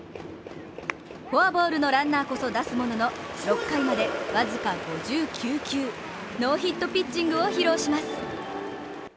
フォアボールのランナーこそ出すものの、６回までわずか５９球、ノーヒットピッチングを披露します。